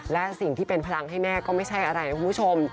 และสิ่งที่เป็นพลังให้แม่ก็ไม่ใช่อะไรคุณผู้ชม